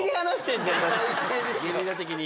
ゲリラ的に。